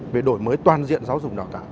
về đổi mới toàn diện giáo dục nào cả